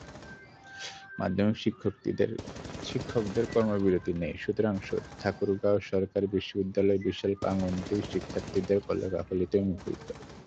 মাধ্যমিক শিক্ষকদের কর্মবিরতি নেই, সুতরাং ঠাকুরগাঁও সরকারি বিদ্যালয়ের বিশাল প্রাঙ্গণটি শিক্ষার্থীদের কলকাকলিতে মুখরিত।